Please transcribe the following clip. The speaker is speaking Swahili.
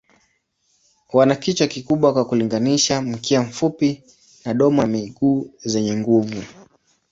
Wana kichwa kikubwa kwa kulinganisha, mkia mfupi na domo na miguu zenye nguvu.